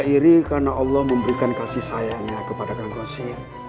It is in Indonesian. iri karena allah memberikan kasih sayangnya kepada kang kho sik